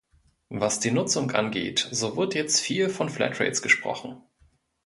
Was die Nutzung angeht, so wird jetzt viel von Flatrates gesprochen.